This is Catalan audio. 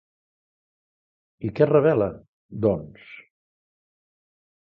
I què revelen, doncs?